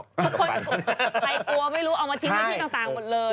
คนไกลเตรียมไม่รู้เอามาจิ๊นให้พี่ต่างหมดเลย